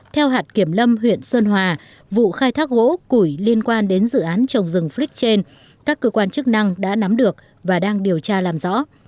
theo hạt kiểm lâm huyện sơn hòa vụ khai thác gỗ củi liên quan đến dự án trồng rừng frick trên các cơ quan chức năng đã nắm được và đang điều tra làm rõ